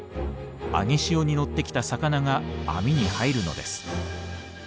上げ潮に乗ってきた魚が網に入るのです。